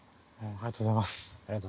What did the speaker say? ありがとうございます。